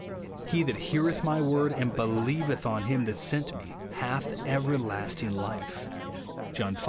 He that heareth my word, and believeth on him that sent me, hath everlasting life," (John V.